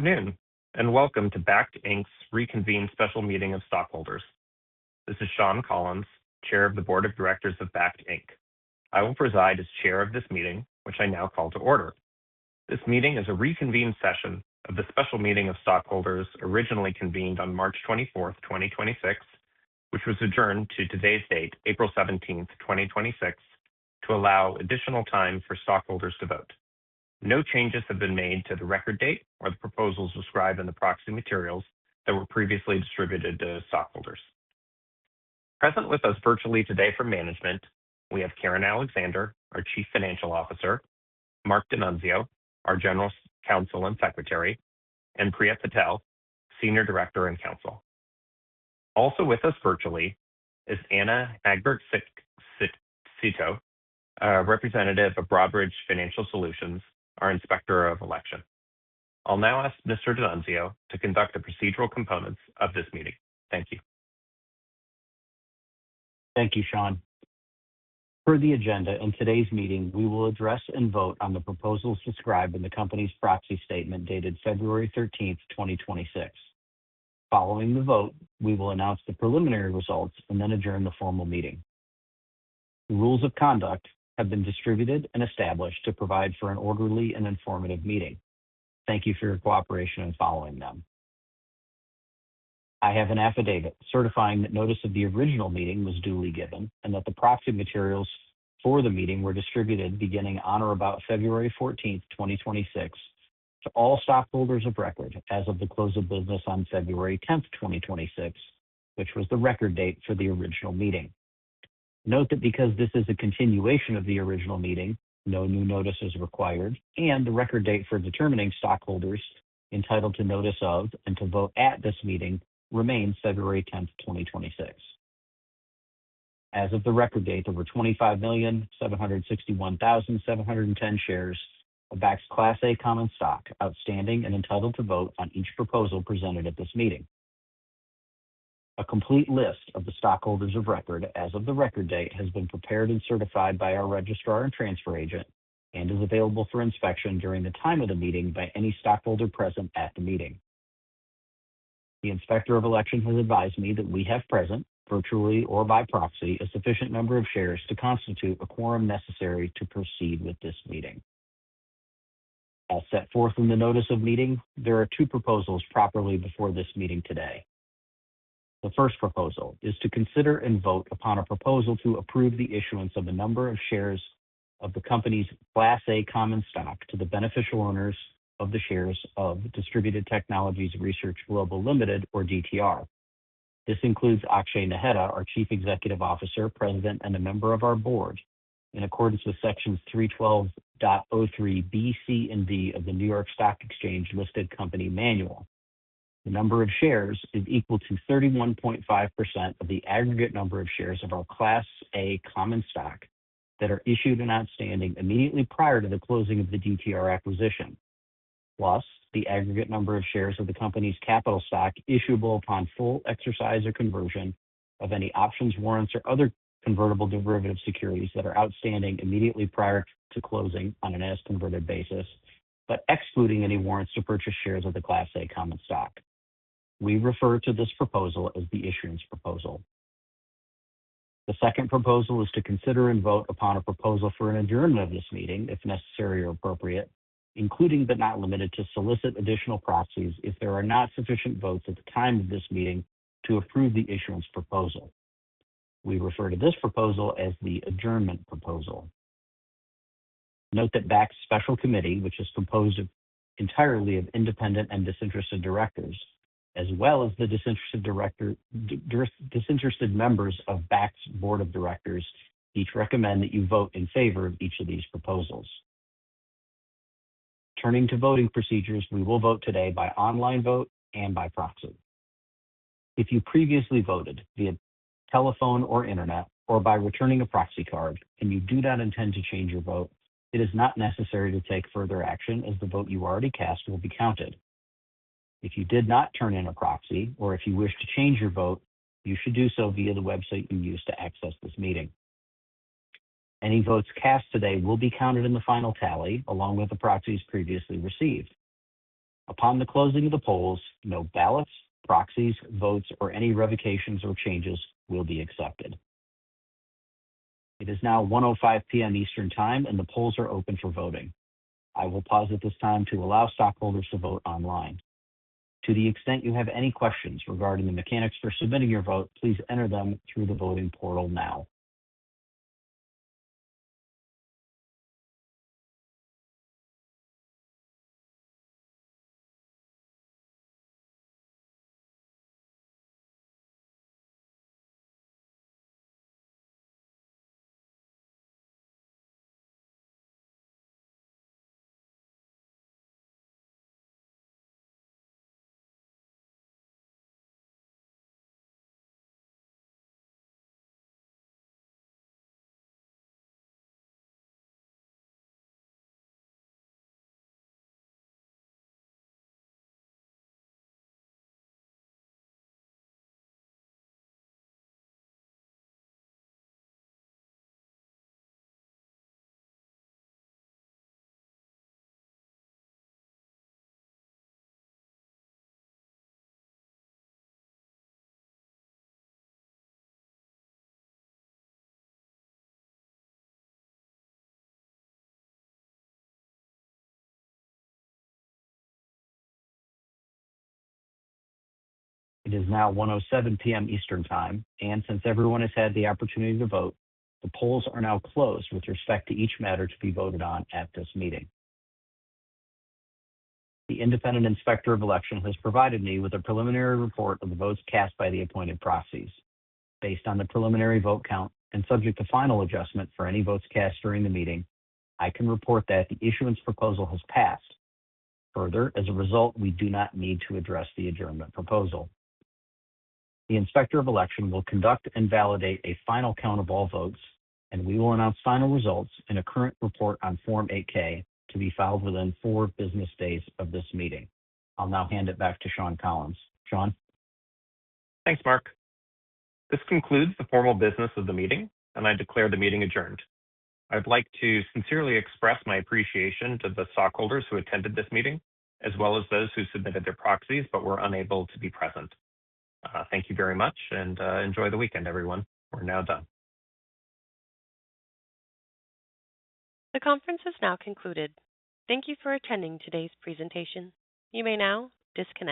Good afternoon, and welcome to Bakkt, Inc.'s Reconvened Special Meeting of Stockholders. This is Sean Collins, Chair of the Board of Directors of Bakkt, Inc. I will preside as chair of this meeting, which I now call to order. This meeting is a reconvened session of the special meeting of stockholders originally convened on March 24th, 2026, which was adjourned to today's date, April 17th, 2026, to allow additional time for stockholders to vote. No changes have been made to the record date or the proposals described in the proxy materials that were previously distributed to stockholders. Present with us virtually today for management, we have Karen Alexander, our Chief Financial Officer, Marc D'Annunzio, our General Counsel and Secretary, and Priya Patel, Senior Director and Counsel. Also with us virtually is Anna Agbert-Sito, a representative of Broadridge Financial Solutions, our Inspector of Election. I'll now ask Mr. D'Annunzio to conduct the procedural components of this meeting. Thank you. Thank you, Sean. Per the agenda in today's meeting, we will address and vote on the proposals described in the company's proxy statement dated February 13th, 2026. Following the vote, we will announce the preliminary results and then adjourn the formal meeting. The rules of conduct have been distributed and established to provide for an orderly and informative meeting. Thank you for your cooperation in following them. I have an affidavit certifying that notice of the original meeting was duly given and that the proxy materials for the meeting were distributed beginning on or about February 14th, 2026, to all stockholders of record as of the close of business on February 10th, 2026, which was the record date for the original meeting. Note that because this is a continuation of the original meeting, no new notice is required, and the record date for determining stockholders entitled to notice of and to vote at this meeting remains February 10th, 2026. As of the record date, there were 25,761,710 shares of Bakkt's Class A common stock outstanding and entitled to vote on each proposal presented at this meeting. A complete list of the stockholders of record as of the record date has been prepared and certified by our registrar and transfer agent and is available for inspection during the time of the meeting by any stockholder present at the meeting. The Inspector of Election has advised me that we have present, virtually or by proxy, a sufficient number of shares to constitute a quorum necessary to proceed with this meeting. As set forth in the notice of meeting, there are two proposals properly before this meeting today. The first proposal is to consider and vote upon a proposal to approve the issuance of a number of shares of the company's Class A common stock to the beneficial owners of the shares of Distributed Technologies Research Global Ltd., or DTR. This includes Akshay Naheta, our Chief Executive Officer, President, and a Member of our Board, in accordance with Section 312.03 of the New York Stock Exchange Listed Company Manual. The number of shares is equal to 31.5% of the aggregate number of shares of our Class A common stock that are issued and outstanding immediately prior to the closing of the DTR acquisition, plus the aggregate number of shares of the company's capital stock issuable upon full exercise or conversion of any options, warrants, or other convertible derivative securities that are outstanding immediately prior to closing on an as-converted basis, but excluding any warrants to purchase shares of the Class A common stock. We refer to this proposal as the Issuance Proposal. The second proposal is to consider and vote upon a proposal for an adjournment of this meeting, if necessary or appropriate, including but not limited to to solicit additional proxies if there are not sufficient votes at the time of this meeting to approve the Issuance Proposal. We refer to this proposal as the Adjournment Proposal. Note that Bakkt's Special Committee, which is composed entirely of independent and disinterested Directors, as well as the disinterested members of Bakkt's Board of Directors, each recommend that you vote in favor of each of these proposals. Turning to voting procedures, we will vote today by online vote and by proxy. If you previously voted via telephone or internet or by returning a proxy card and you do not intend to change your vote, it is not necessary to take further action as the vote you already cast will be counted. If you did not turn in a proxy or if you wish to change your vote, you should do so via the website you used to access this meeting. Any votes cast today will be counted in the final tally, along with the proxies previously received. Upon the closing of the polls, no ballots, proxies, votes, or any revocations or changes will be accepted. It is now 1:05 P.M. Eastern Time, and the polls are open for voting. I will pause at this time to allow stockholders to vote online. To the extent you have any questions regarding the mechanics for submitting your vote, please enter them through the voting portal now. It is now 1:07 P.M. Eastern Time, and since everyone has had the opportunity to vote, the polls are now closed with respect to each matter to be voted on at this meeting. The independent Inspector of Election has provided me with a preliminary report of the votes cast by the appointed proxies. Based on the preliminary vote count and subject to final adjustment for any votes cast during the meeting, I can report that the Issuance Proposal has passed. Further, as a result, we do not need to address the Adjournment Proposal. The Inspector of Election will conduct and validate a final count of all votes, and we will announce final results in a Current Report on Form 8-K to be filed within four business days of this meeting. I'll now hand it back to Sean Collins. Sean? Thanks, Marc. This concludes the formal business of the meeting, and I declare the meeting adjourned. I'd like to sincerely express my appreciation to the stockholders who attended this meeting, as well as those who submitted their proxies but were unable to be present. Thank you very much, and enjoy the weekend, everyone. We're now done. The conference is now concluded. Thank you for attending today's presentation. You may now disconnect